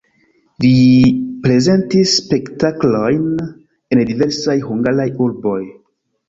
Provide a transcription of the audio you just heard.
Li prezentis spektaklojn en diversaj hungaraj urboj.